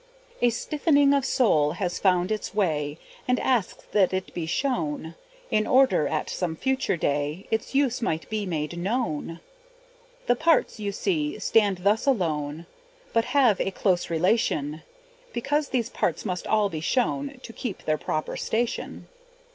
A stiffening of sole has found its way, And asks that it be shown, In order, at some future day, Its use might be made known. The parts, you see, stand thus alone, But have a close relation; Because these parts must all be shown To keep their proper station.